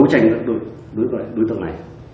thế tôi xác định là